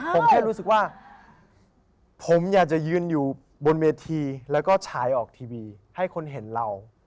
ผมแค่รู้สึกว่าผมอยากจะยืนอยู่บนเวทีแล้วก็ชายออกทีวีให้คนเห็นเรา